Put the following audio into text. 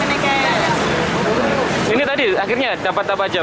ini tadi akhirnya dapat apa aja